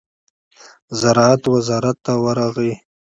زراعت وزارت ته ورغی.